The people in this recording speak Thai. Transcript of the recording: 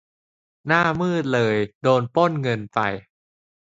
หน้ามืดเลย โดน ปล้นเงินไป